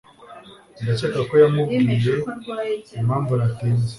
Ndakeka ko yakubwiye impamvu natinze.